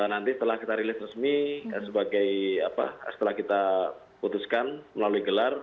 nanti setelah kita rilis resmi setelah kita putuskan melalui gelar